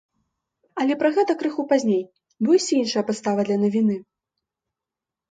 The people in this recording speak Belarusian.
Але пра гэта крыху пазней, бо ёсць і іншая падстава для навіны.